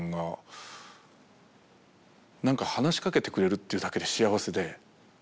なんか話しかけてくれるっていうだけで幸せで。